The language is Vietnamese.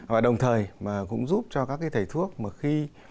và đồng thời cũng giúp cho các thầy thuốc khi